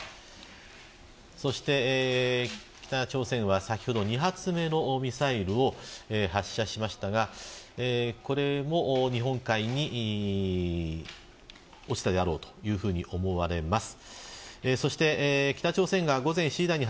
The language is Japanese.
そして、北朝鮮は先ほど２発目のミサイルを発射しましたがこれも日本海に落ちたであろうというふうに思われます。